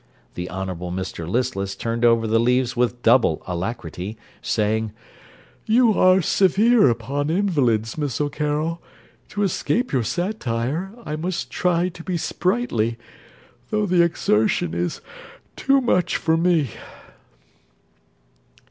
The Honourable Mr Listless turned over the leaves with double alacrity, saying, 'You are severe upon invalids, Miss O'Carroll: to escape your satire, I must try to be sprightly, though the exertion is too much for me.'